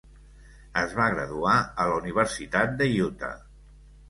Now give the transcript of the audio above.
Es va graduar a la Universitat de Utah.